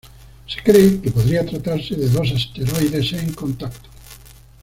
Se cree que podría tratarse de dos asteroides en contacto.